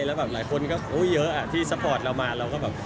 แล้วหลายคนก็เยอะที่สปอร์ตเรามา